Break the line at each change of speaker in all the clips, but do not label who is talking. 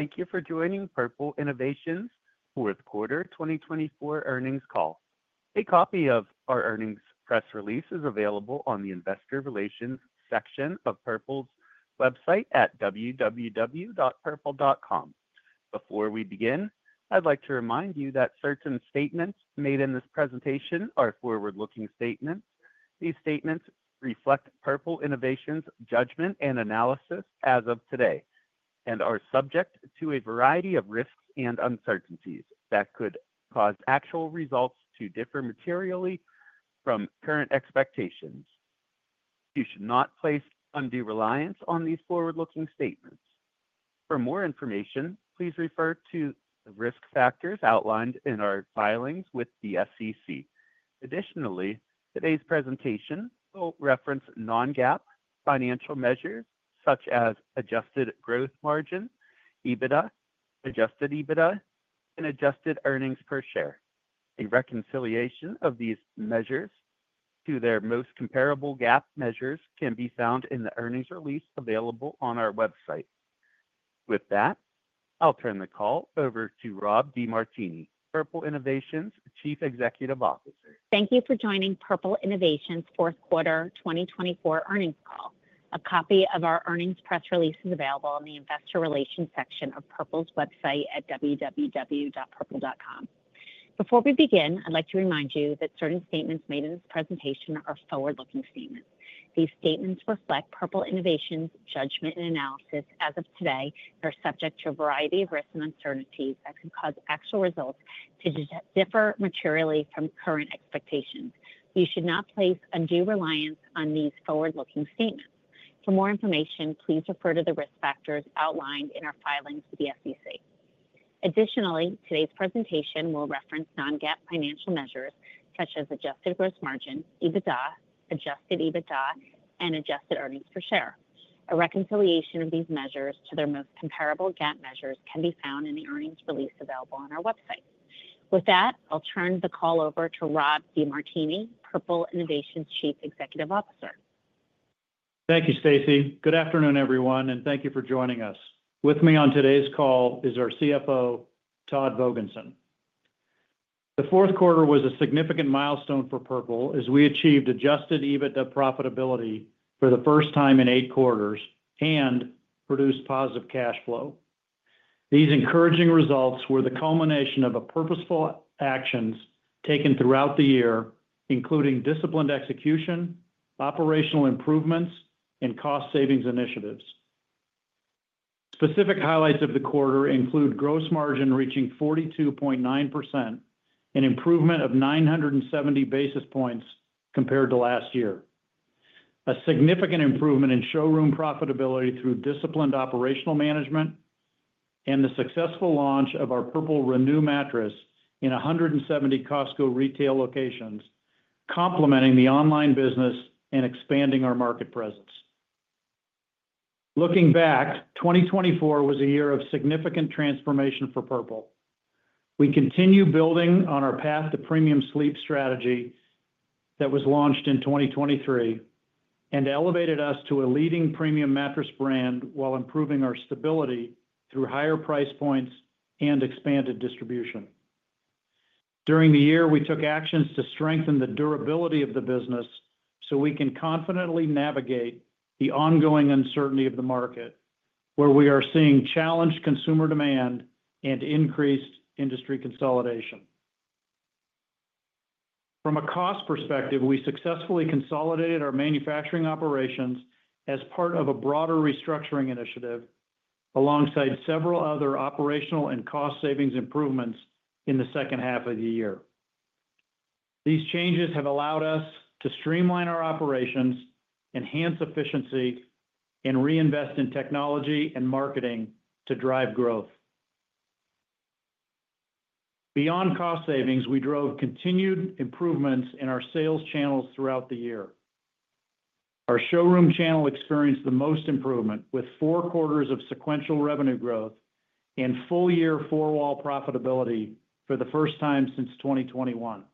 Thank you for joining Purple Innovation's fourth quarter 2024 earnings call. A copy of our earnings press release is available on the investor relations section of Purple's website at www.purple.com. Before we begin, I'd like to remind you that certain statements made in this presentation are forward-looking statements. These statements reflect Purple Innovation's judgment and analysis as of today and are subject to a variety of risks and uncertainties that could cause actual results to differ materially from current expectations. You should not place undue reliance on these forward-looking statements. For more information, please refer to the risk factors outlined in our filings with the SEC. Additionally, today's presentation will reference non-GAAP financial measures such as adjusted gross margin, EBITDA, adjusted EBITDA, and adjusted earnings per share. A reconciliation of these measures to their most comparable GAAP measures can be found in the earnings release available on our website. With that, I'll turn the call over to Rob DeMartini, Purple Innovation's Chief Executive Officer.
Thank you for joining Purple Innovation's fourth quarter 2024 earnings call. A copy of our earnings press release is available in the investor relations section of Purple's website at www.purple.com. Before we begin, I'd like to remind you that certain statements made in this presentation are forward-looking statements. These statements reflect Purple Innovation's judgment and analysis as of today and are subject to a variety of risks and uncertainties that could cause actual results to differ materially from current expectations. You should not place undue reliance on these forward-looking statements. For more information, please refer to the risk factors outlined in our filings with the SEC. Additionally, today's presentation will reference non-GAAP financial measures such as adjusted gross margin, EBITDA, adjusted EBITDA, and adjusted earnings per share. A reconciliation of these measures to their most comparable GAAP measures can be found in the earnings release available on our website. With that, I'll turn the call over to Rob DeMartini, Purple Innovation's Chief Executive Officer. Thank you, Stacey. Good afternoon, everyone, and thank you for joining us. With me on today's call is our CFO, Todd Vogensen. The fourth quarter was a significant milestone for Purple as we achieved adjusted EBITDA profitability for the first time in eight quarters and produced positive cash flow. These encouraging results were the culmination of purposeful actions taken throughout the year, including disciplined execution, operational improvements, and cost savings initiatives. Specific highlights of the quarter include gross margin reaching 42.9% and improvement of 970 basis points compared to last year. A significant improvement in showroom profitability through disciplined operational management and the successful launch of our Purple Renew mattress in 170 Costco retail locations, complementing the online business and expanding our market presence. Looking back, 2024 was a year of significant transformation for Purple. We continue building on our path to premium sleep strategy that was launched in 2023 and elevated us to a leading premium mattress brand while improving our stability through higher price points and expanded distribution. During the year, we took actions to strengthen the durability of the business so we can confidently navigate the ongoing uncertainty of the market, where we are seeing challenged consumer demand and increased industry consolidation. From a cost perspective, we successfully consolidated our manufacturing operations as part of a broader restructuring initiative alongside several other operational and cost savings improvements in the second half of the year. These changes have allowed us to streamline our operations, enhance efficiency, and reinvest in technology and marketing to drive growth. Beyond cost savings, we drove continued improvements in our sales channels throughout the year. Our showroom channel experienced the most improvement, with four quarters of sequential revenue growth and full-year four-wall profitability for the first time since 2021.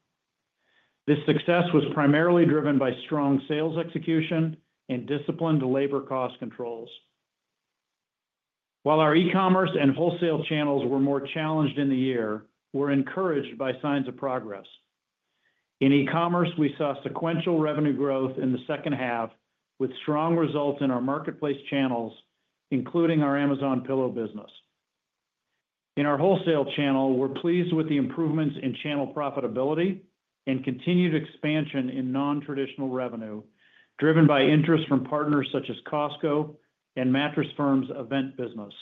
This success was primarily driven by strong sales execution and disciplined labor cost controls. While our e-commerce and wholesale channels were more challenged in the year, we're encouraged by signs of progress. In e-commerce, we saw sequential revenue growth in the second half, with strong results in our marketplace channels, including our Amazon Pillow business. In our wholesale channel, we're pleased with the improvements in channel profitability and continued expansion in non-traditional revenue driven by interest from partners such as Costco and Mattress Firm's event business.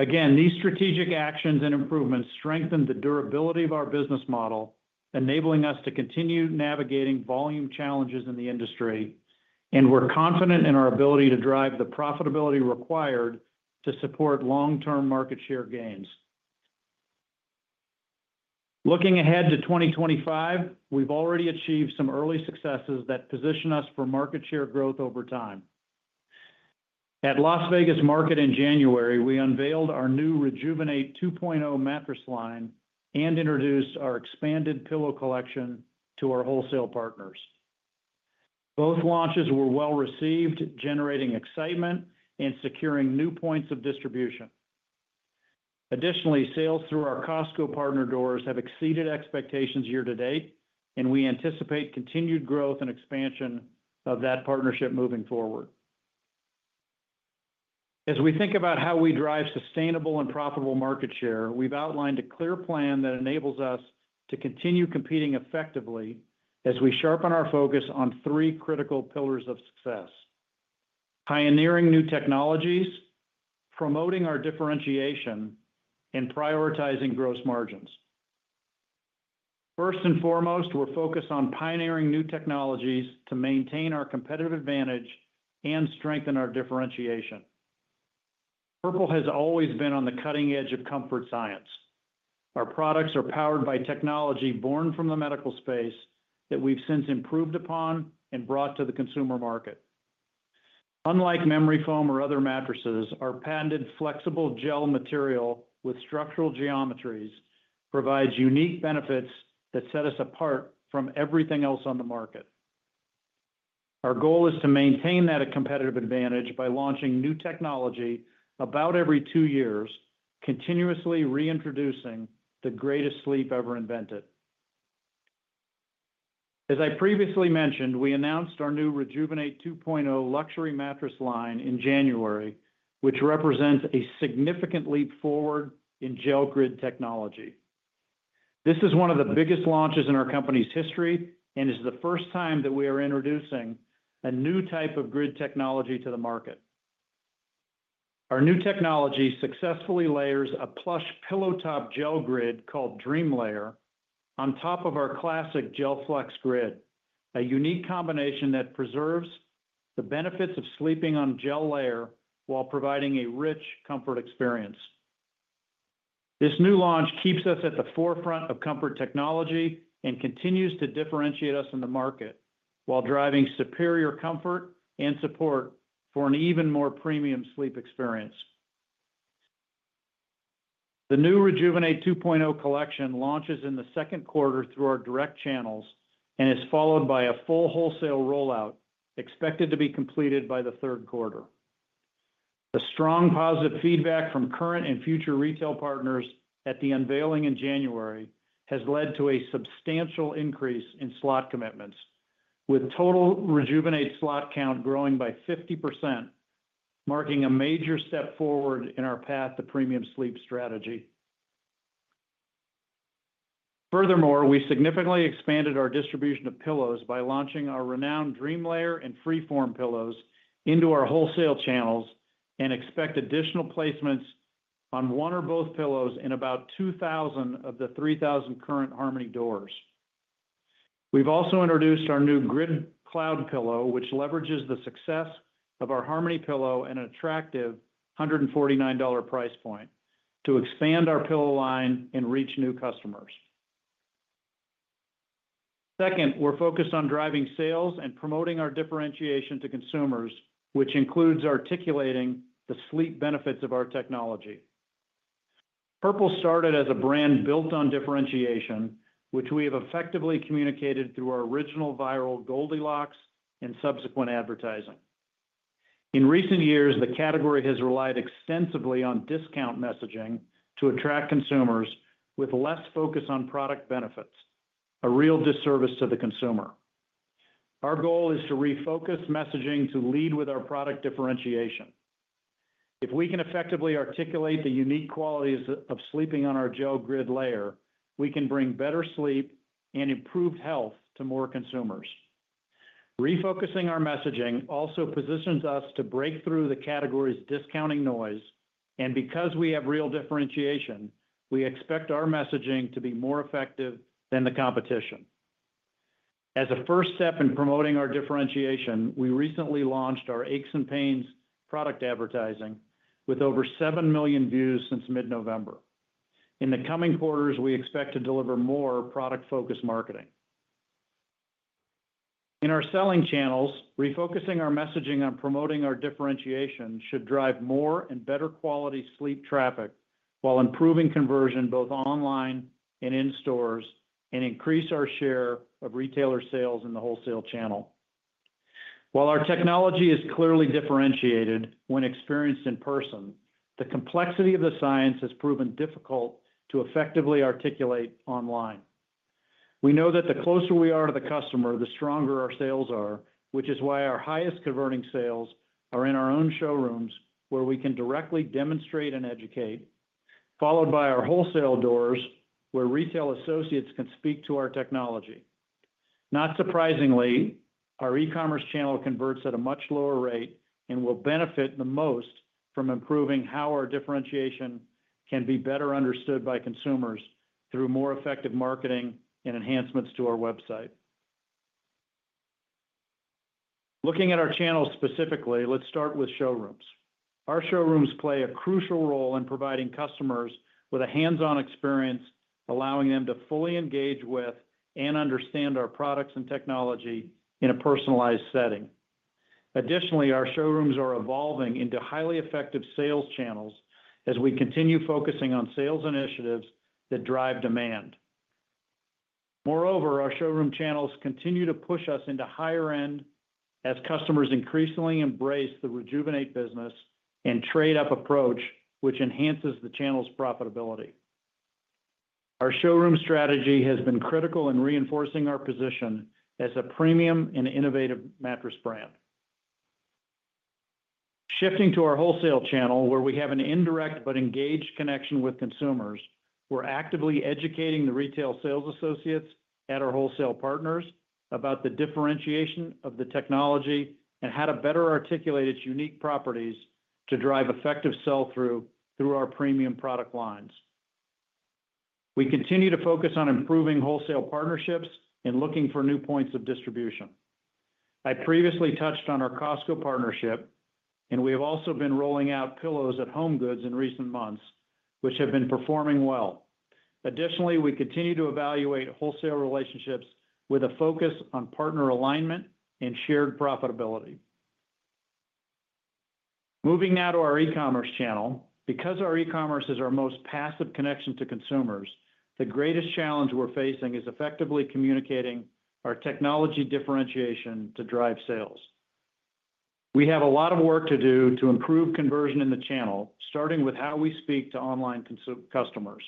Again, these strategic actions and improvements strengthened the durability of our business model, enabling us to continue navigating volume challenges in the industry, and we're confident in our ability to drive the profitability required to support long-term market share gains. Looking ahead to 2025, we've already achieved some early successes that position us for market share growth over time. At Las Vegas Market in January, we unveiled our new Rejuvenate 2.0 mattress line and introduced our expanded pillow collection to our wholesale partners. Both launches were well received, generating excitement and securing new points of distribution. Additionally, sales through our Costco partner doors have exceeded expectations year to date, and we anticipate continued growth and expansion of that partnership moving forward. As we think about how we drive sustainable and profitable market share, we've outlined a clear plan that enables us to continue competing effectively as we sharpen our focus on three critical pillars of success: pioneering new technologies, promoting our differentiation, and prioritizing gross margins. First and foremost, we're focused on pioneering new technologies to maintain our competitive advantage and strengthen our differentiation. Purple has always been on the cutting edge of comfort science. Our products are powered by technology born from the medical space that we've since improved upon and brought to the consumer market. Unlike memory foam or other mattresses, our patented flexible gel material with structural geometries provides unique benefits that set us apart from everything else on the market. Our goal is to maintain that competitive advantage by launching new technology about every two years, continuously reintroducing the greatest sleep ever invented. As I previously mentioned, we announced our new Rejuvenate 2.0 luxury mattress line in January, which represents a significant leap forward in gel grid technology. This is one of the biggest launches in our company's history and is the first time that we are introducing a new type of grid technology to the market. Our new technology successfully layers a plush pillow top gel grid called DreamLayer on top of our classic GelFlex Grid, a unique combination that preserves the benefits of sleeping on gel layer while providing a rich comfort experience. This new launch keeps us at the forefront of comfort technology and continues to differentiate us in the market while driving superior comfort and support for an even more premium sleep experience. The new Rejuvenate 2.0 collection launches in the second quarter through our direct channels and is followed by a full wholesale rollout expected to be completed by the third quarter. The strong positive feedback from current and future retail partners at the unveiling in January has led to a substantial increase in slot commitments, with total Rejuvenate slot count growing by 50%, marking a major step forward in our path to premium sleep strategy. Furthermore, we significantly expanded our distribution of pillows by launching our renowned DreamLayer and Freeform pillows into our wholesale channels and expect additional placements on one or both pillows in about 2,000 of the 3,000 current Harmony doors. We've also introduced our new Grid Cloud pillow, which leverages the success of our Harmony pillow and an attractive $149 price point to expand our pillow line and reach new customers. Second, we're focused on driving sales and promoting our differentiation to consumers, which includes articulating the sleep benefits of our technology. Purple started as a brand built on differentiation, which we have effectively communicated through our original viral Goldilocks and subsequent advertising. In recent years, the category has relied extensively on discount messaging to attract consumers with less focus on product benefits, a real disservice to the consumer. Our goal is to refocus messaging to lead with our product differentiation. If we can effectively articulate the unique qualities of sleeping on our gel grid layer, we can bring better sleep and improved health to more consumers. Refocusing our messaging also positions us to break through the category's discounting noise, and because we have real differentiation, we expect our messaging to be more effective than the competition. As a first step in promoting our differentiation, we recently launched our aches and pains product advertising with over 7 million views since mid-November. In the coming quarters, we expect to deliver more product-focused marketing. In our selling channels, refocusing our messaging on promoting our differentiation should drive more and better quality sleep traffic while improving conversion both online and in stores and increase our share of retailer sales in the wholesale channel. While our technology is clearly differentiated when experienced in person, the complexity of the science has proven difficult to effectively articulate online. We know that the closer we are to the customer, the stronger our sales are, which is why our highest converting sales are in our own showrooms where we can directly demonstrate and educate, followed by our wholesale doors where retail associates can speak to our technology. Not surprisingly, our e-commerce channel converts at a much lower rate and will benefit the most from improving how our differentiation can be better understood by consumers through more effective marketing and enhancements to our website. Looking at our channels specifically, let's start with showrooms. Our showrooms play a crucial role in providing customers with a hands-on experience, allowing them to fully engage with and understand our products and technology in a personalized setting. Additionally, our showrooms are evolving into highly effective sales channels as we continue focusing on sales initiatives that drive demand. Moreover, our showroom channels continue to push us into higher end as customers increasingly embrace the Rejuvenate business and trade-up approach, which enhances the channel's profitability. Our showroom strategy has been critical in reinforcing our position as a premium and innovative mattress brand. Shifting to our wholesale channel, where we have an indirect but engaged connection with consumers, we're actively educating the retail sales associates and our wholesale partners about the differentiation of the technology and how to better articulate its unique properties to drive effective sell-through through our premium product lines. We continue to focus on improving wholesale partnerships and looking for new points of distribution. I previously touched on our Costco partnership, and we have also been rolling out pillows at HomeGoods in recent months, which have been performing well. Additionally, we continue to evaluate wholesale relationships with a focus on partner alignment and shared profitability. Moving now to our e-commerce channel, because our e-commerce is our most passive connection to consumers, the greatest challenge we're facing is effectively communicating our technology differentiation to drive sales. We have a lot of work to do to improve conversion in the channel, starting with how we speak to online customers.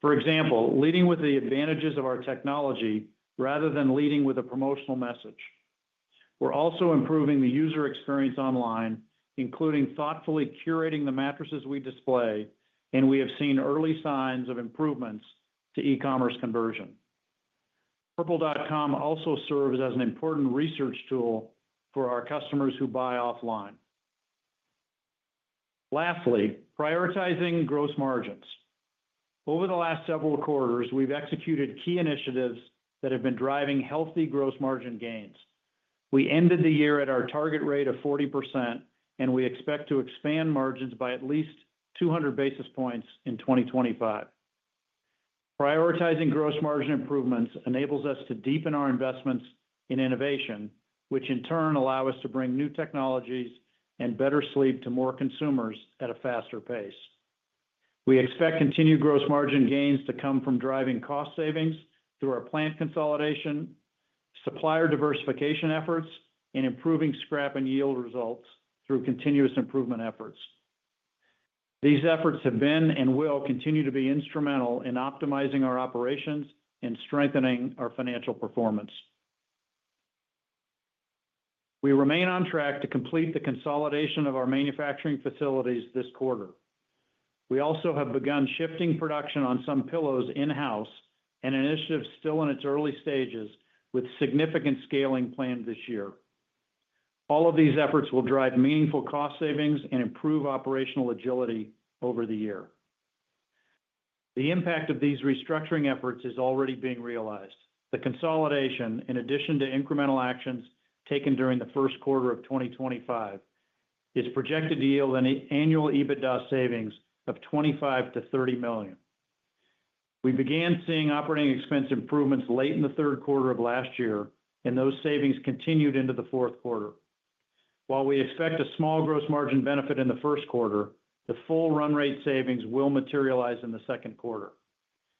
For example, leading with the advantages of our technology rather than leading with a promotional message. We're also improving the user experience online, including thoughtfully curating the mattresses we display, and we have seen early signs of improvements to e-commerce conversion. Purple.com also serves as an important research tool for our customers who buy offline. Lastly, prioritizing gross margins. Over the last several quarters, we've executed key initiatives that have been driving healthy gross margin gains. We ended the year at our target rate of 40%, and we expect to expand margins by at least 200 basis points in 2025. Prioritizing gross margin improvements enables us to deepen our investments in innovation, which in turn allow us to bring new technologies and better sleep to more consumers at a faster pace. We expect continued gross margin gains to come from driving cost savings through our plant consolidation, supplier diversification efforts, and improving scrap and yield results through continuous improvement efforts. These efforts have been and will continue to be instrumental in optimizing our operations and strengthening our financial performance. We remain on track to complete the consolidation of our manufacturing facilities this quarter. We also have begun shifting production on some pillows in-house and initiatives still in its early stages with significant scaling planned this year. All of these efforts will drive meaningful cost savings and improve operational agility over the year. The impact of these restructuring efforts is already being realized. The consolidation, in addition to incremental actions taken during the first quarter of 2025, is projected to yield an annual EBITDA savings of $25 million-$30 million. We began seeing operating expense improvements late in the third quarter of last year, and those savings continued into the fourth quarter. While we expect a small gross margin benefit in the first quarter, the full run rate savings will materialize in the second quarter.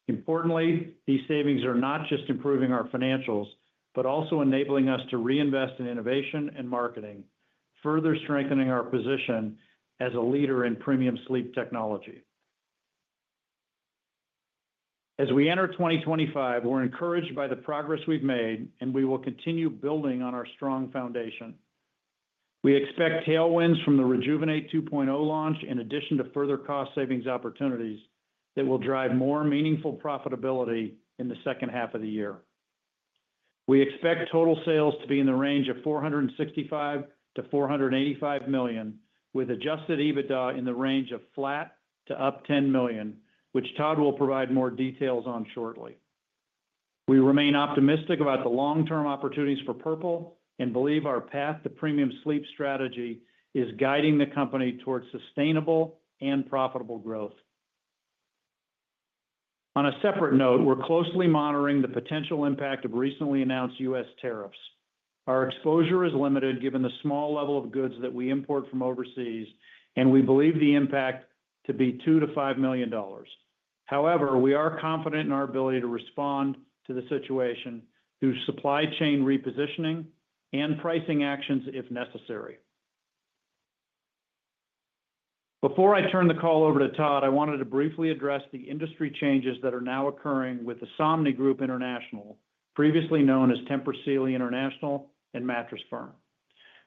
Importantly, these savings are not just improving our financials, but also enabling us to reinvest in innovation and marketing, further strengthening our position as a leader in premium sleep technology. As we enter 2025, we're encouraged by the progress we've made, and we will continue building on our strong foundation. We expect tailwinds from the Rejuvenate 2.0 launch, in addition to further cost savings opportunities that will drive more meaningful profitability in the second half of the year. We expect total sales to be in the range of $465 million-$485 million, with adjusted EBITDA in the range of flat to up $10 million, which Todd will provide more details on shortly. We remain optimistic about the long-term opportunities for Purple and believe our path to premium sleep strategy is guiding the company towards sustainable and profitable growth. On a separate note, we're closely monitoring the potential impact of recently announced U.S. tariffs. Our exposure is limited given the small level of goods that we import from overseas, and we believe the impact to be $2-$5 million. However, we are confident in our ability to respond to the situation through supply chain repositioning and pricing actions if necessary. Before I turn the call over to Todd, I wanted to briefly address the industry changes that are now occurring with the Somni Group International, previously known as Tempur Sealy International and Mattress Firm.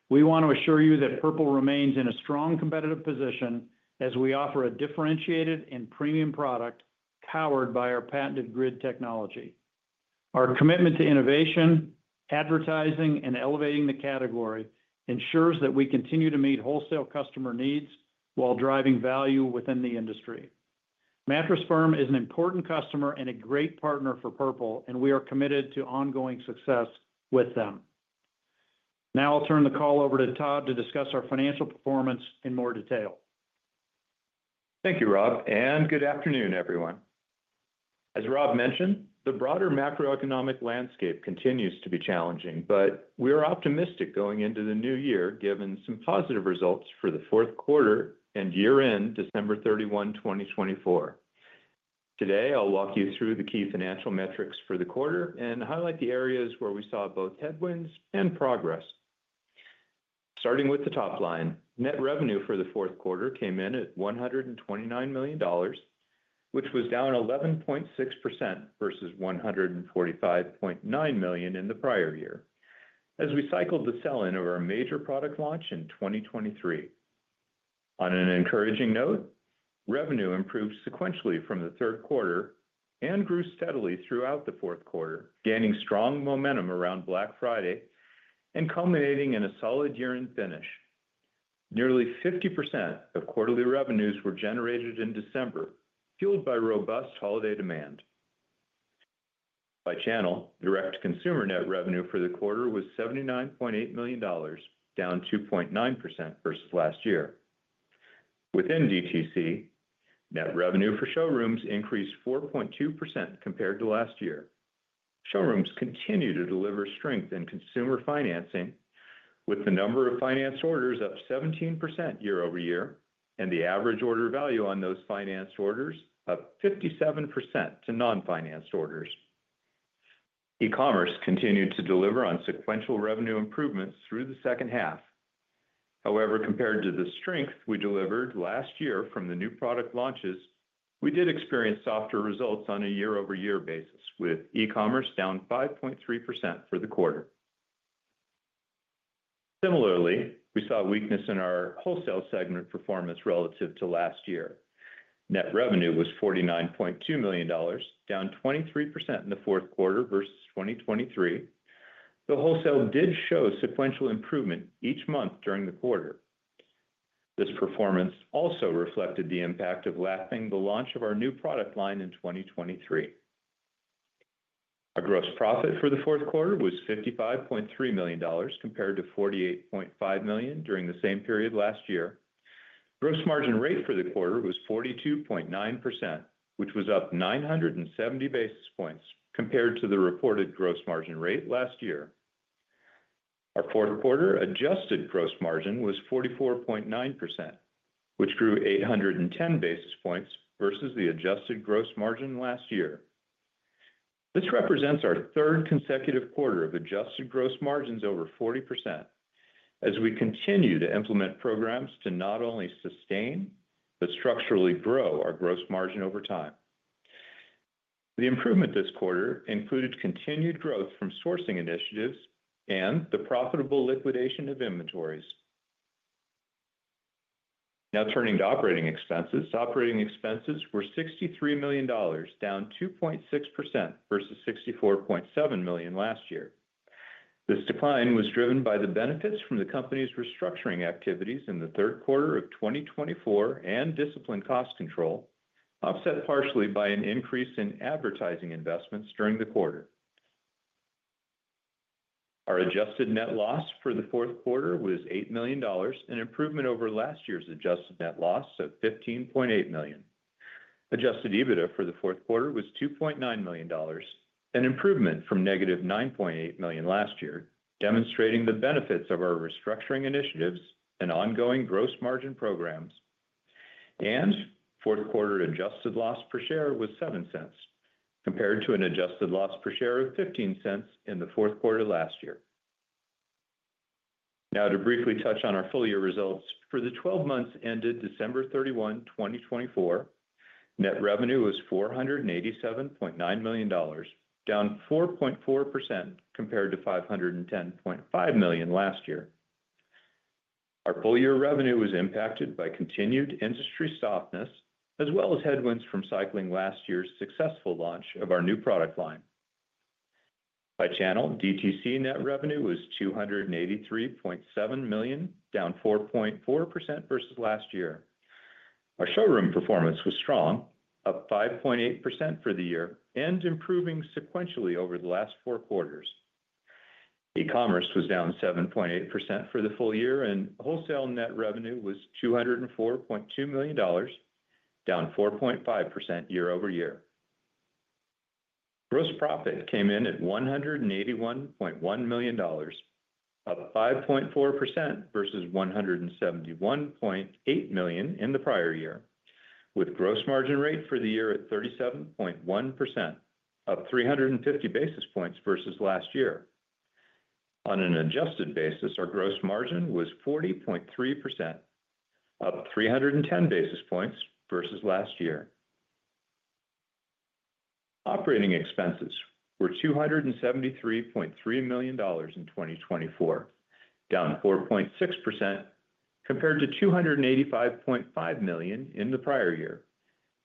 We want to assure you that Purple remains in a strong competitive position as we offer a differentiated and premium product powered by our patented grid technology. Our commitment to innovation, advertising, and elevating the category ensures that we continue to meet wholesale customer needs while driving value within the industry. Mattress Firm is an important customer and a great partner for Purple, and we are committed to ongoing success with them. Now I'll turn the call over to Todd to discuss our financial performance in more detail.
Thank you, Rob, and good afternoon, everyone. As Rob mentioned, the broader macroeconomic landscape continues to be challenging, but we are optimistic going into the new year, given some positive results for the fourth quarter and year-end December 31, 2024. Today, I'll walk you through the key financial metrics for the quarter and highlight the areas where we saw both headwinds and progress. Starting with the top line, net revenue for the fourth quarter came in at $129 million, which was down 11.6% versus $145.9 million in the prior year, as we cycled the sell-in of our major product launch in 2023. On an encouraging note, revenue improved sequentially from the third quarter and grew steadily throughout the fourth quarter, gaining strong momentum around Black Friday and culminating in a solid year-end finish. Nearly 50% of quarterly revenues were generated in December, fueled by robust holiday demand. By channel, direct to consumer net revenue for the quarter was $79.8 million, down 2.9% versus last year. Within DTC, net revenue for showrooms increased 4.2% compared to last year. Showrooms continue to deliver strength in consumer financing, with the number of financed orders up 17% year-over-year and the average order value on those financed orders up 57% to non-financed orders. E-commerce continued to deliver on sequential revenue improvements through the second half. However, compared to the strength we delivered last year from the new product launches, we did experience softer results on a year-over-year basis, with e-commerce down 5.3% for the quarter. Similarly, we saw weakness in our wholesale segment performance relative to last year. Net revenue was $49.2 million, down 23% in the fourth quarter versus 2023. The wholesale did show sequential improvement each month during the quarter. This performance also reflected the impact of lapping the launch of our new product line in 2023. Our gross profit for the fourth quarter was $55.3 million compared to $48.5 million during the same period last year. Gross margin rate for the quarter was 42.9%, which was up 970 basis points compared to the reported gross margin rate last year. Our fourth quarter adjusted gross margin was 44.9%, which grew 810 basis points versus the adjusted gross margin last year. This represents our third consecutive quarter of adjusted gross margins over 40%, as we continue to implement programs to not only sustain but structurally grow our gross margin over time. The improvement this quarter included continued growth from sourcing initiatives and the profitable liquidation of inventories. Now turning to operating expenses, operating expenses were $63 million, down 2.6% versus $64.7 million last year. This decline was driven by the benefits from the company's restructuring activities in the third quarter of 2024 and discipline cost control, offset partially by an increase in advertising investments during the quarter. Our adjusted net loss for the fourth quarter was $8 million, an improvement over last year's adjusted net loss of $15.8 million. Adjusted EBITDA for the fourth quarter was $2.9 million, an improvement from negative $9.8 million last year, demonstrating the benefits of our restructuring initiatives and ongoing gross margin programs. Fourth quarter adjusted loss per share was $0.07 compared to an adjusted loss per share of $0.15 in the fourth quarter last year. Now, to briefly touch on our full year results, for the 12 months ended December 31, 2024, net revenue was $487.9 million, down 4.4% compared to $510.5 million last year. Our full year revenue was impacted by continued industry softness, as well as headwinds from cycling last year's successful launch of our new product line. By channel, DTC net revenue was $283.7 million, down 4.4% versus last year. Our showroom performance was strong, up 5.8% for the year and improving sequentially over the last four quarters. E-commerce was down 7.8% for the full year, and wholesale net revenue was $204.2 million, down 4.5% year-over-year. Gross profit came in at $181.1 million, up 5.4% versus $171.8 million in the prior year, with gross margin rate for the year at 37.1%, up 350 basis points versus last year. On an adjusted basis, our gross margin was 40.3%, up 310 basis points versus last year. Operating expenses were $273.3 million in 2024, down 4.6% compared to $285.5 million in the prior year,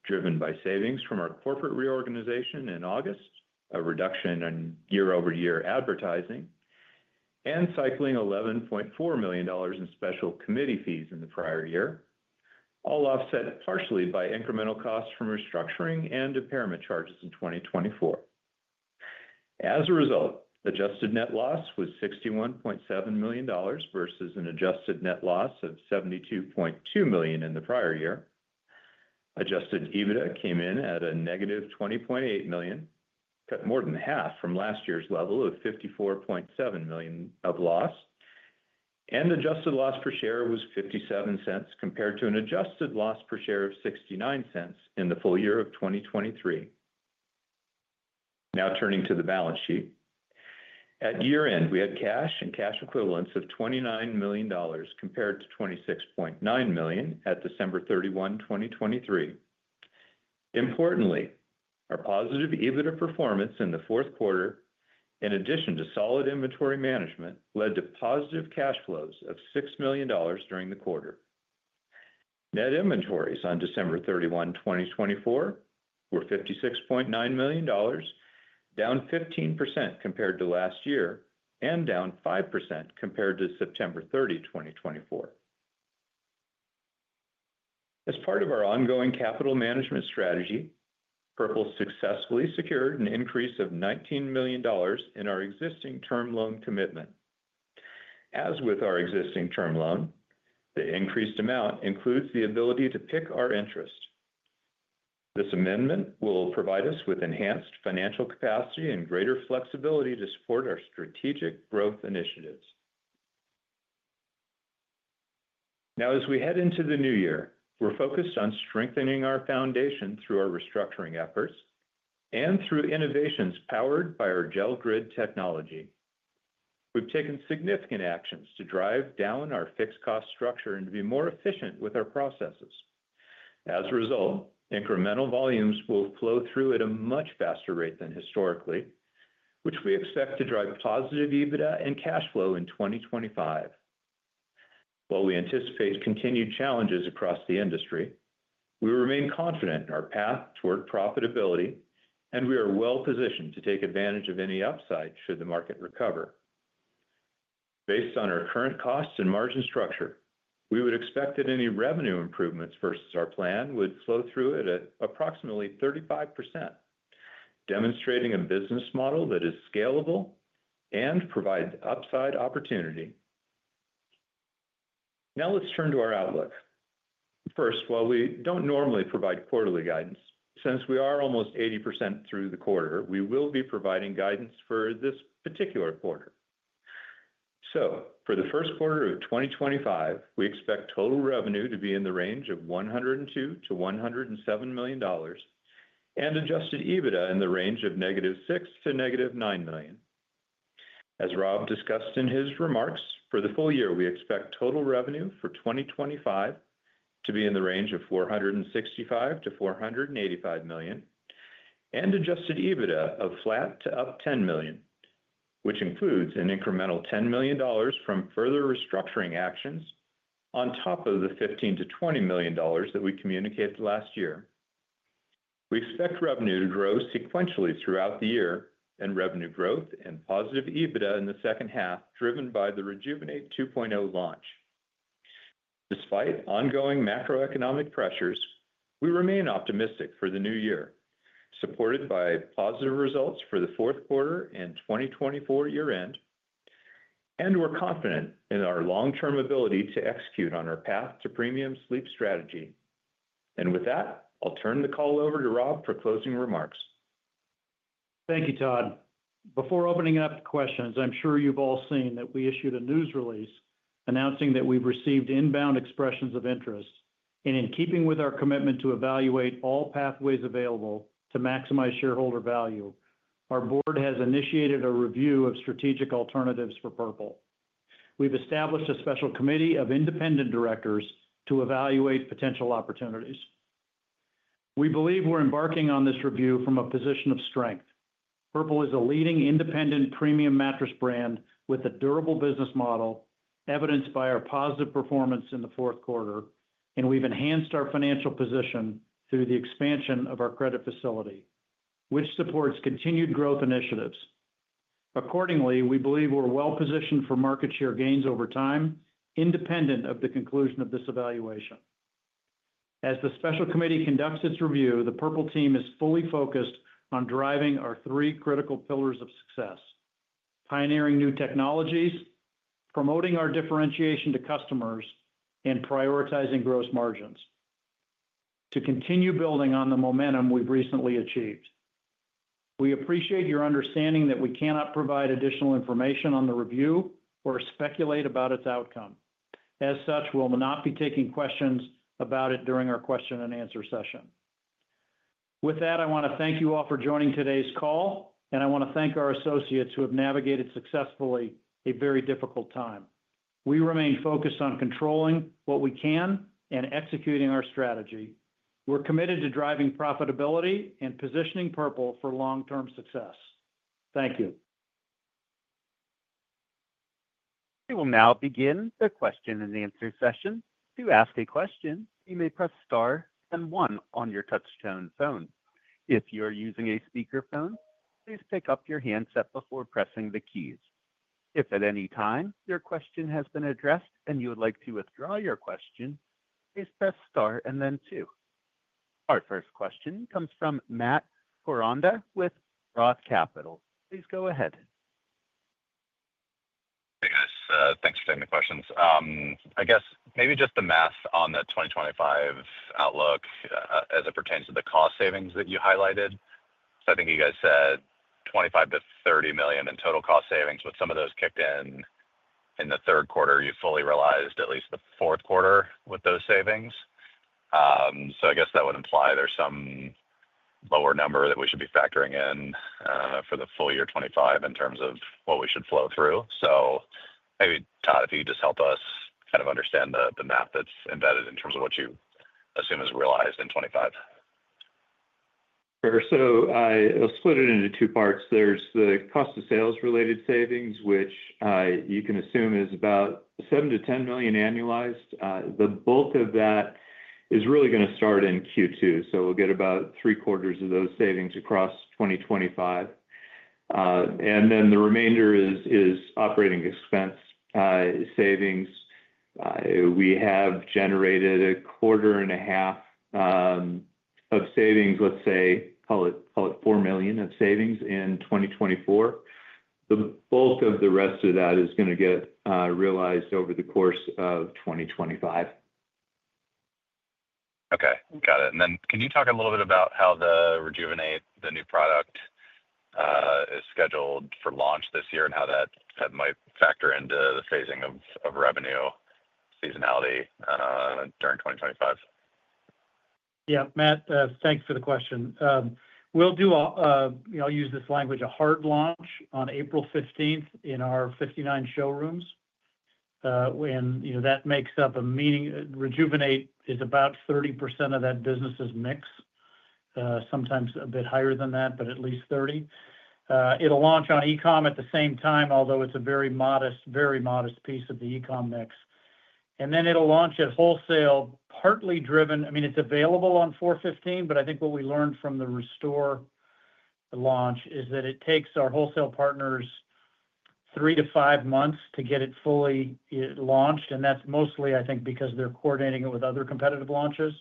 driven by savings from our corporate reorganization in August, a reduction in year-over-year advertising, and cycling $11.4 million in special committee fees in the prior year, all offset partially by incremental costs from restructuring and impairment charges in 2024. As a result, adjusted net loss was $61.7 million versus an adjusted net loss of $72.2 million in the prior year. Adjusted EBITDA came in at a negative $20.8 million, cut more than half from last year's level of $54.7 million of loss, and adjusted loss per share was $0.57 compared to an adjusted loss per share of $0.69 in the full year of 2023. Now turning to the balance sheet, at year-end, we had cash and cash equivalents of $29 million compared to $26.9 million at December 31, 2023. Importantly, our positive EBITDA performance in the fourth quarter, in addition to solid inventory management, led to positive cash flows of $6 million during the quarter. Net inventories on December 31, 2024, were $56.9 million, down 15% compared to last year and down 5% compared to September 30, 2024. As part of our ongoing capital management strategy, Purple successfully secured an increase of $19 million in our existing term loan commitment. As with our existing term loan, the increased amount includes the ability to pick our interest. This amendment will provide us with enhanced financial capacity and greater flexibility to support our strategic growth initiatives. Now, as we head into the new year, we're focused on strengthening our foundation through our restructuring efforts and through innovations powered by our Gel Grid technology. We've taken significant actions to drive down our fixed cost structure and to be more efficient with our processes. As a result, incremental volumes will flow through at a much faster rate than historically, which we expect to drive positive EBITDA and cash flow in 2025. While we anticipate continued challenges across the industry, we remain confident in our path toward profitability, and we are well positioned to take advantage of any upside should the market recover. Based on our current costs and margin structure, we would expect that any revenue improvements versus our plan would flow through at approximately 35%, demonstrating a business model that is scalable and provides upside opportunity. Now let's turn to our outlook. First, while we do not normally provide quarterly guidance, since we are almost 80% through the quarter, we will be providing guidance for this particular quarter. For the first quarter of 2025, we expect total revenue to be in the range of $102-$107 million and adjusted EBITDA in the range of negative $6 to negative $9 million. As Rob discussed in his remarks, for the full year, we expect total revenue for 2025 to be in the range of $465-$485 million and adjusted EBITDA of flat to up $10 million, which includes an incremental $10 million from further restructuring actions on top of the $15-$20 million that we communicated last year. We expect revenue to grow sequentially throughout the year and revenue growth and positive EBITDA in the second half driven by the Rejuvenate 2.0 launch. Despite ongoing macroeconomic pressures, we remain optimistic for the new year, supported by positive results for the fourth quarter and 2024 year-end, and we're confident in our long-term ability to execute on our path to premium sleep strategy. With that, I'll turn the call over to Rob for closing remarks.
Thank you, Todd. Before opening it up to questions, I'm sure you've all seen that we issued a news release announcing that we've received inbound expressions of interest. In keeping with our commitment to evaluate all pathways available to maximize shareholder value, our board has initiated a review of strategic alternatives for Purple. We've established a special committee of independent directors to evaluate potential opportunities. We believe we're embarking on this review from a position of strength. Purple is a leading independent premium mattress brand with a durable business model, evidenced by our positive performance in the fourth quarter, and we've enhanced our financial position through the expansion of our credit facility, which supports continued growth initiatives. Accordingly, we believe we're well positioned for market share gains over time, independent of the conclusion of this evaluation. As the special committee conducts its review, the Purple team is fully focused on driving our three critical pillars of success: pioneering new technologies, promoting our differentiation to customers, and prioritizing gross margins to continue building on the momentum we've recently achieved. We appreciate your understanding that we cannot provide additional information on the review or speculate about its outcome. As such, we'll not be taking questions about it during our question-and-answer session. With that, I want to thank you all for joining today's call, and I want to thank our associates who have navigated successfully a very difficult time. We remain focused on controlling what we can and executing our strategy. We're committed to driving profitability and positioning Purple for long-term success. Thank you.
We will now begin the question-and-answer session. To ask a question, you may press star and one on your touchscreen phone. If you are using a speakerphone, please pick up your handset before pressing the keys. If at any time your question has been addressed and you would like to withdraw your question, please press star and then two. Our first question comes from Matt Koranda with Roth Capital. Please go ahead. Hey, guys. Thanks for taking the questions.
I guess maybe just the math on the 2025 outlook as it pertains to the cost savings that you highlighted. I think you guys said $25 million-$30 million in total cost savings. With some of those kicked in in the third quarter, you fully realized at least the fourth quarter with those savings. I guess that would imply there's some lower number that we should be factoring in for the full year 2025 in terms of what we should flow through. Maybe, Todd, if you could just help us kind of understand the math that's embedded in terms of what you assume is realized in 2025. Sure. I'll split it into two parts. There's the cost of sales-related savings, which you can assume is about $7 million-$10 million annualized. The bulk of that is really going to start in Q2.
We'll get about three-quarters of those savings across 2025. The remainder is operating expense savings. We have generated a quarter and a half of savings, let's say, call it $4 million of savings in 2024. The bulk of the rest of that is going to get realized over the course of 2025.
Okay. Got it. Can you talk a little bit about how the Rejuvenate, the new product, is scheduled for launch this year and how that might factor into the phasing of revenue seasonality during 2025?
Yeah. Matt, thanks for the question. We'll do, I'll use this language, a hard launch on April 15th in our 59 showrooms. That makes up a meaning Rejuvenate is about 30% of that business's mix, sometimes a bit higher than that, but at least 30%. It'll launch on e-comm at the same time, although it's a very modest, very modest piece of the e-comm mix. Then it'll launch at wholesale, partly driven. I mean, it's available on April 15, but I think what we learned from the Restore launch is that it takes our wholesale partners three to five months to get it fully launched. That's mostly, I think, because they're coordinating it with other competitive launches.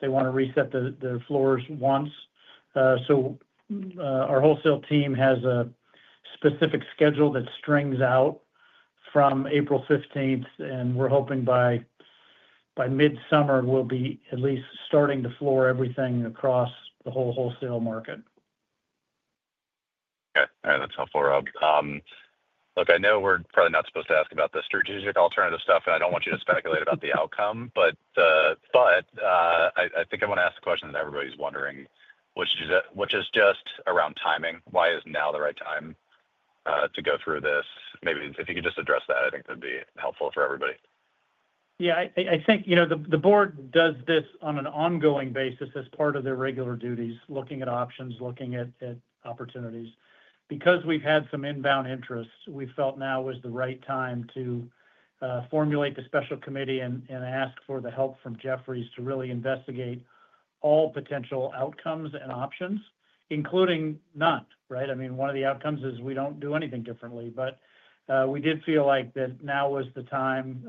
They want to reset the floors once. Our wholesale team has a specific schedule that strings out from April 15, and we're hoping by midsummer we'll be at least starting to floor everything across the whole wholesale market.
Okay. All right. That's helpful, Rob. Look, I know we're probably not supposed to ask about the strategic alternative stuff, and I don't want you to speculate about the outcome. I think I want to ask the question that everybody's wondering, which is just around timing. Why is now the right time to go through this? Maybe if you could just address that, I think that'd be helpful for everybody.
Yeah. I think the board does this on an ongoing basis as part of their regular duties, looking at options, looking at opportunities. Because we've had some inbound interest, we felt now was the right time to formulate the special committee and ask for the help from Jefferies to really investigate all potential outcomes and options, including none, right? I mean, one of the outcomes is we don't do anything differently. We did feel like that now was the time,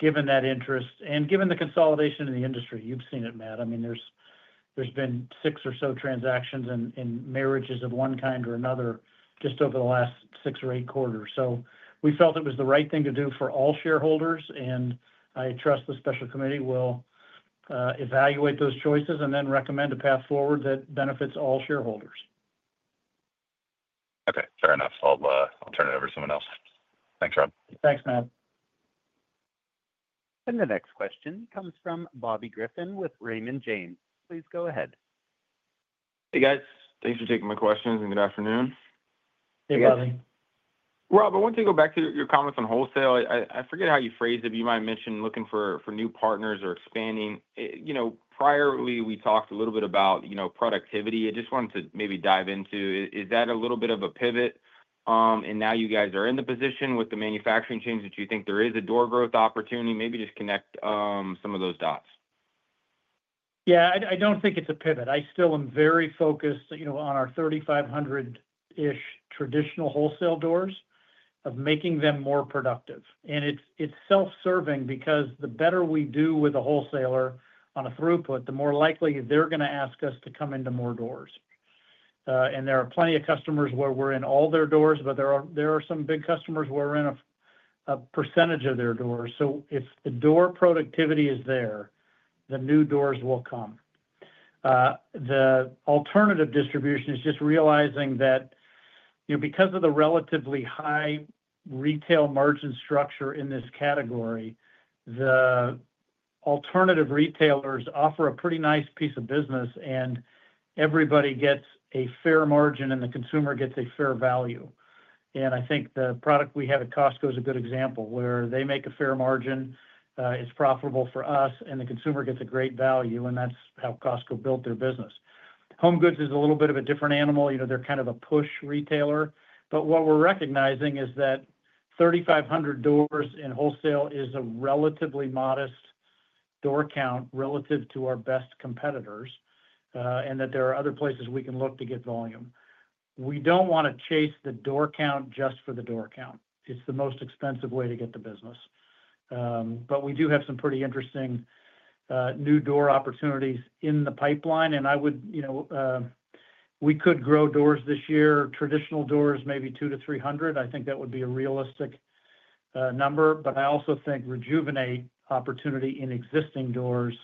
given that interest and given the consolidation in the industry. You've seen it, Matt. I mean, there's been six or so transactions in marriages of one kind or another just over the last six or eight quarters. We felt it was the right thing to do for all shareholders, and I trust the special committee will evaluate those choices and then recommend a path forward that benefits all shareholders.
Okay. Fair enough. I'll turn it over to someone else. Thanks, Rob.
Thanks, Matt.
The next question comes from Bobby Griffin with Raymond James. Please go ahead.
Hey, guys. Thanks for taking my questions and good afternoon. Hey, Bobby. Rob, I wanted to go back to your comments on wholesale. I forget how you phrased it, but you might have mentioned looking for new partners or expanding. Priorly, we talked a little bit about productivity. I just wanted to maybe dive into. Is that a little bit of a pivot? You guys are in the position with the manufacturing change that you think there is a door growth opportunity?
Maybe just connect some of those dots. Yeah. I do not think it is a pivot. I still am very focused on our 3,500-ish traditional wholesale doors of making them more productive. It is self-serving because the better we do with a wholesaler on a throughput, the more likely they are going to ask us to come into more doors. There are plenty of customers where we are in all their doors, but there are some big customers where we are in a percentage of their doors. If the door productivity is there, the new doors will come. The alternative distribution is just realizing that because of the relatively high retail margin structure in this category, the alternative retailers offer a pretty nice piece of business, and everybody gets a fair margin and the consumer gets a fair value. I think the product we have at Costco is a good example where they make a fair margin, it's profitable for us, and the consumer gets a great value, and that's how Costco built their business. HomeGoods is a little bit of a different animal. They're kind of a push retailer. What we're recognizing is that 3,500 doors in wholesale is a relatively modest door count relative to our best competitors and that there are other places we can look to get volume. We don't want to chase the door count just for the door count. It's the most expensive way to get the business. We do have some pretty interesting new door opportunities in the pipeline. I would say we could grow doors this year, traditional doors, maybe 200-300. I think that would be a realistic number. I also think Rejuvenate opportunity in existing doors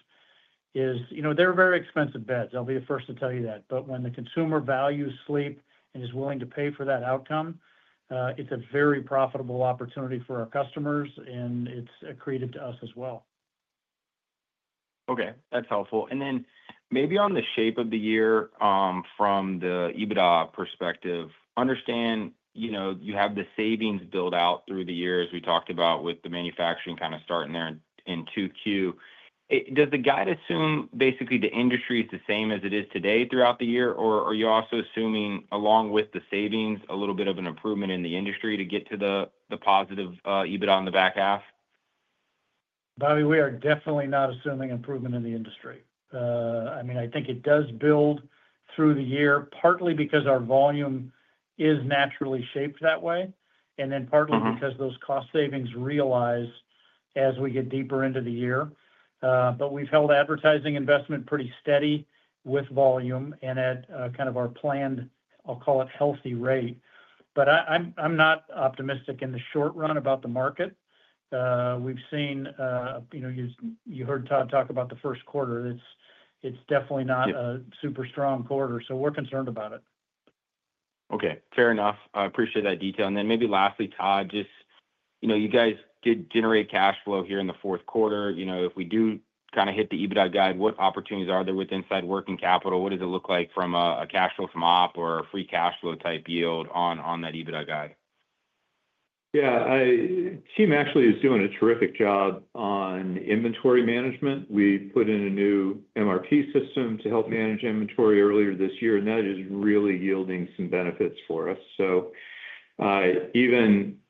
is, they're very expensive beds. I'll be the first to tell you that. When the consumer values sleep and is willing to pay for that outcome, it's a very profitable opportunity for our customers, and it's accretive to us as well.
Okay. That's helpful. Maybe on the shape of the year from the EBITDA perspective, understand you have the savings build out through the year as we talked about with the manufacturing kind of starting there in Q2. Does the guide assume basically the industry is the same as it is today throughout the year, or are you also assuming along with the savings a little bit of an improvement in the industry to get to the positive EBITDA on the back half?
Bobby, we are definitely not assuming improvement in the industry. I mean, I think it does build through the year, partly because our volume is naturally shaped that way, and then partly because those cost savings realize as we get deeper into the year. We have held advertising investment pretty steady with volume and at kind of our planned, I'll call it healthy rate. I am not optimistic in the short run about the market. We have seen you heard Todd talk about the first quarter. It is definitely not a super strong quarter. We are concerned about it.
Okay. Fair enough. I appreciate that detail. Lastly, Todd, just you guys did generate cash flow here in the fourth quarter. If we do kind of hit the EBITDA guide, what opportunities are there with inside working capital? What does it look like from a cash flow from OP or a free cash flow type yield on that EBITDA guide?
Yeah. Team actually is doing a terrific job on inventory management. We put in a new MRP system to help manage inventory earlier this year, and that is really yielding some benefits for us.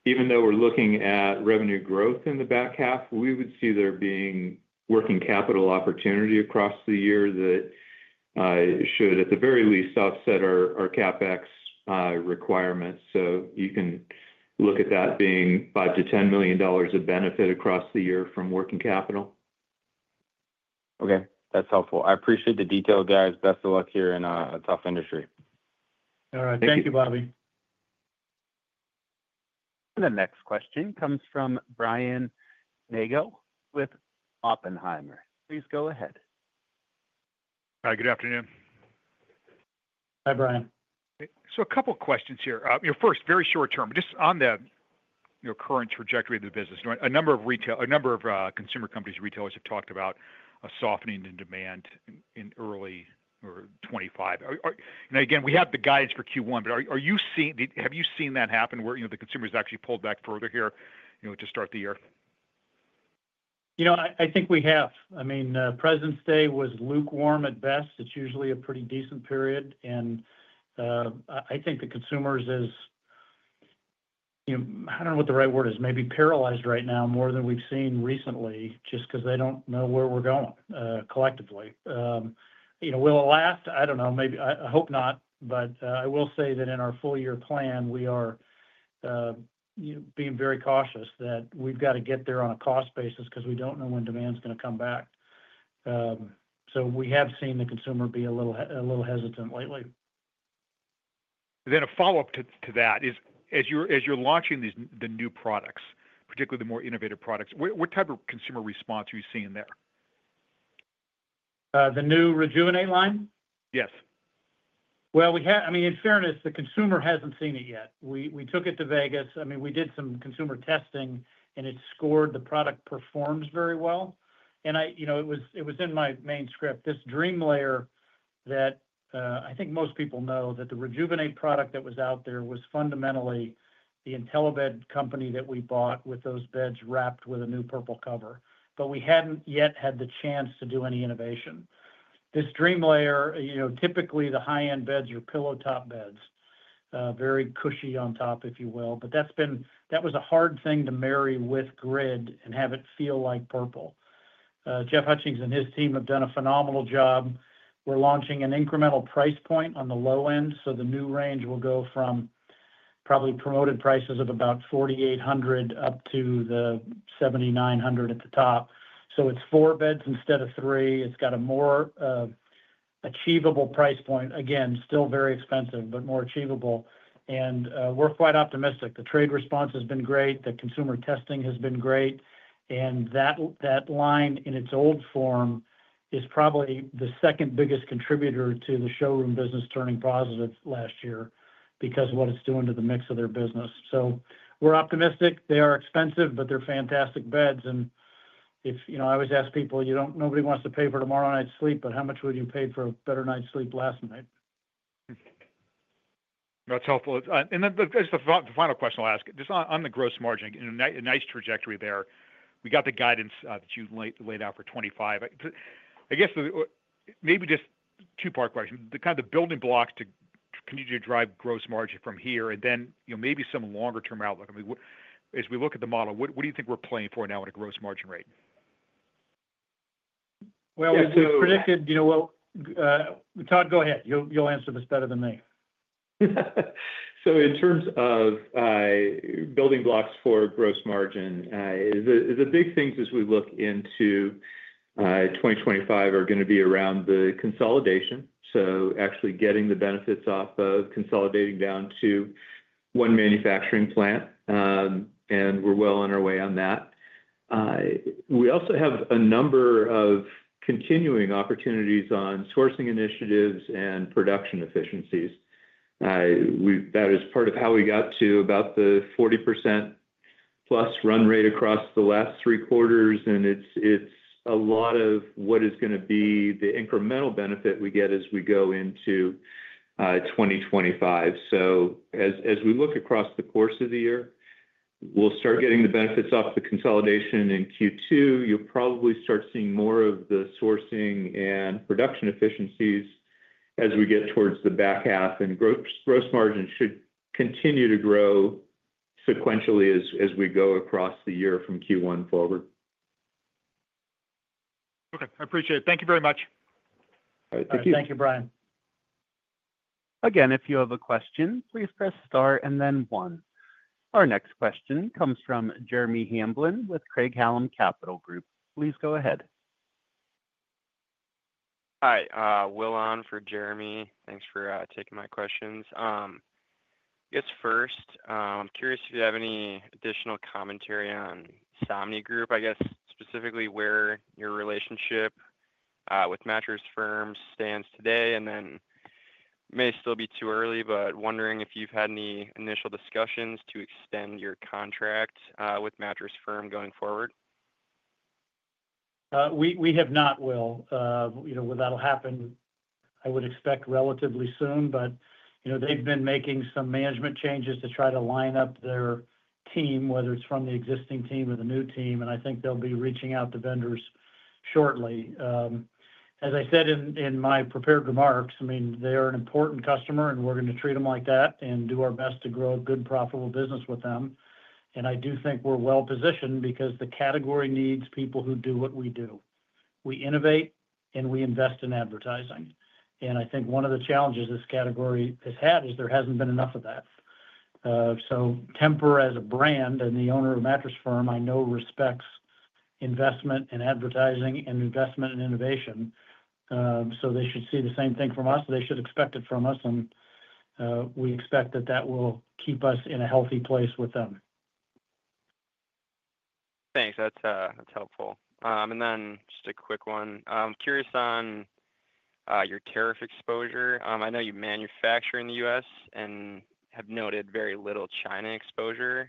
Even though we're looking at revenue growth in the back half, we would see there being working capital opportunity across the year that should, at the very least, offset our CapEx requirements. You can look at that being $5-$10 million of benefit across the year from working capital.
Okay. That's helpful. I appreciate the detail, guys. Best of luck here in a tough industry. All right.
Thank you, Bobby.
The next question comes from Brian Nagel with Oppenheimer. Please go ahead.
Hi. Good afternoon.
Hi, Brian.
A couple of questions here. Your first, very short term, just on the current trajectory of the business. A number of consumer companies, retailers have talked about a softening in demand in early 2025. We have the guidance for Q1, but have you seen that happen where the consumers actually pulled back further here to start the year?
I think we have. I mean, President's Day was lukewarm at best. It's usually a pretty decent period. I think the consumer is, I don't know what the right word is, maybe paralyzed right now more than we've seen recently just because they don't know where we're going collectively. Will it last? I don't know. I hope not. I will say that in our full year plan, we are being very cautious that we've got to get there on a cost basis because we don't know when demand's going to come back. We have seen the consumer be a little hesitant lately. A follow-up to that is, as you're launching the new products, particularly the more innovative products, what type of consumer response are you seeing there? The new Rejuvenate line? Yes. I mean, in fairness, the consumer hasn't seen it yet. We took it to Las Vegas. I mean, we did some consumer testing, and it scored the product performs very well. It was in my main script. This Dream Layer that I think most people know that the Rejuvenate product that was out there was fundamentally the Intellibed company that we bought with those beds wrapped with a new Purple cover. We hadn't yet had the chance to do any innovation. This Dream Layer, typically the high-end beds or pillow top beds, very cushy on top, if you will. That was a hard thing to marry with grid and have it feel like Purple. Jeff Hutchings and his team have done a phenomenal job. We're launching an incremental price point on the low end. The new range will go from probably promoted prices of about $4,800 up to the $7,900 at the top. It is four beds instead of three. It has a more achievable price point. Again, still very expensive, but more achievable. We are quite optimistic. The trade response has been great. The consumer testing has been great. That line in its old form is probably the second biggest contributor to the showroom business turning positive last year because of what it's doing to the mix of their business. We are optimistic. They are expensive, but they're fantastic beds. I always ask people, nobody wants to pay for tomorrow night's sleep, but how much would you pay for a better night's sleep last night?
That's helpful. Just the final question I'll ask. Just on the gross margin, a nice trajectory there. We got the guidance that you laid out for 2025. I guess maybe just two-part question. Kind of the building blocks to continue to drive gross margin from here and then maybe some longer-term outlook. As we look at the model, what do you think we're playing for now on a gross margin rate? It's predicted. Todd, go ahead.
You'll answer this better than me. In terms of building blocks for gross margin, the big things as we look into 2025 are going to be around the consolidation. Actually getting the benefits off of consolidating down to one manufacturing plant, and we're well on our way on that. We also have a number of continuing opportunities on sourcing initiatives and production efficiencies. That is part of how we got to about the 40%+ run rate across the last three quarters. It's a lot of what is going to be the incremental benefit we get as we go into 2025. As we look across the course of the year, we'll start getting the benefits off the consolidation in Q2. You'll probably start seeing more of the sourcing and production efficiencies as we get towards the back half. Gross margin should continue to grow sequentially as we go across the year from Q1 forward.
Okay. I appreciate it. Thank you very much. All right.
Thank you. Thank you, Brian.
Again, if you have a question, please press star and then one. Our next question comes from Jeremy Hamblin with Craig-Hallum Capital Group. Please go ahead.
Hi. Will on for Jeremy. Thanks for taking my questions. I guess first, I'm curious if you have any additional commentary on Somni Group, I guess, specifically where your relationship with Mattress Firm stands today. It may still be too early, but wondering if you've had any initial discussions to extend your contract with Mattress Firm going forward.
We have not, Will. That will happen, I would expect, relatively soon. They have been making some management changes to try to line up their team, whether it is from the existing team or the new team. I think they will be reaching out to vendors shortly. As I said in my prepared remarks, I mean, they are an important customer, and we are going to treat them like that and do our best to grow a good, profitable business with them. I do think we are well-positioned because the category needs people who do what we do. We innovate, and we invest in advertising. I think one of the challenges this category has had is there has not been enough of that. Temper as a brand and the owner of Mattress Firm, I know, respects investment in advertising and investment in innovation. They should see the same thing from us. They should expect it from us. We expect that that will keep us in a healthy place with them.
Thanks. That's helpful. Just a quick one. I'm curious on your tariff exposure. I know you manufacture in the U.S. and have noted very little China exposure.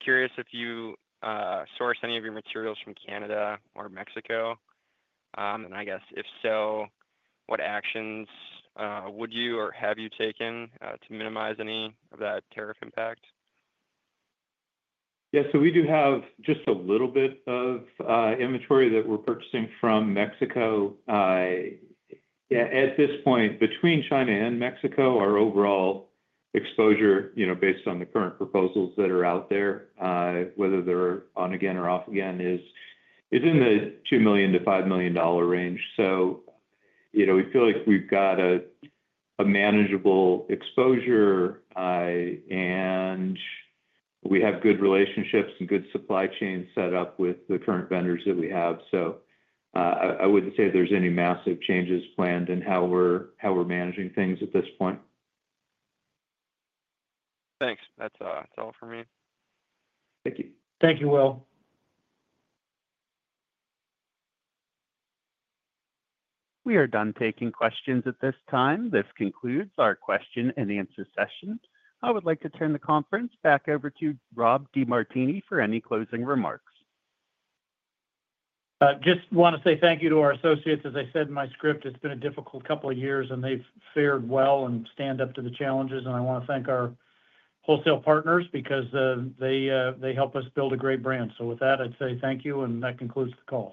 Curious if you source any of your materials from Canada or Mexico. I guess if so, what actions would you or have you taken to minimize any of that tariff impact?
Yeah. We do have just a little bit of inventory that we're purchasing from Mexico. At this point, between China and Mexico, our overall exposure based on the current proposals that are out there, whether they're on again or off again, is in the $2 million-$5 million range. We feel like we've got a manageable exposure, and we have good relationships and good supply chains set up with the current vendors that we have. I wouldn't say there's any massive changes planned in how we're managing things at this point.
Thanks. That's all for me.
Thank you. Thank you, Will. We are done taking questions at this time. This concludes our question and answer session. I would like to turn the conference back over to Rob DeMartini for any closing remarks.
Just want to say thank you to our associates. As I said in my script, it's been a difficult couple of years, and they've fared well and stand up to the challenges. I want to thank our wholesale partners because they help us build a great brand. With that, I'd say thank you, and that concludes the call.